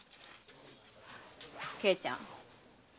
慶ちゃん。